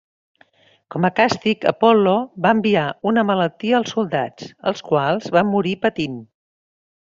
Com a càstig Apol·lo va enviar una malaltia als soldats, els quals van morir patint.